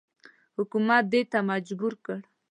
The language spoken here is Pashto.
حکومت دې ته مجبور کړ.